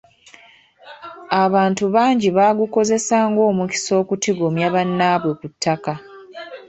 Abantu bangi baagukozesa ng'omukisa okutigomya bannaabwe ku ttaka.